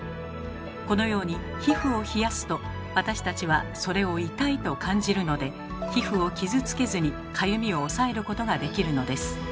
このように皮膚を冷やすと私たちはそれを痛いと感じるので皮膚を傷つけずにかゆみを抑えることができるのです。